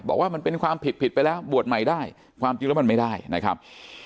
บอกว่ามันเป็นความผิดผิดไปแล้วบวชใหม่ได้ความจริงแล้วมันไม่ได้นะครับ